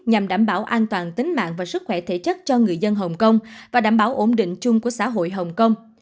nhằm đảm bảo an toàn tính mạng và sức khỏe thể chất cho người dân hồng kông và đảm bảo ổn định chung của xã hội hồng kông